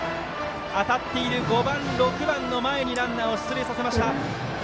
当たっている５番、６番の前にランナーを出塁させました。